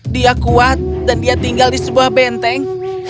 dia kuat dan dia tinggal di sebuah benteng